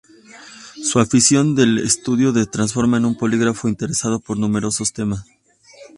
Su afición al estudio le transforma en un polígrafo interesado por numerosos temas.